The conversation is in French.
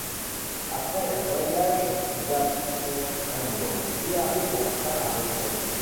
Après un voyage d’à peu près un mois, il arrive enfin à Boston.